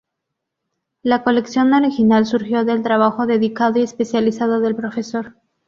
La colección original surgió del trabajo dedicado y especializado del Prof.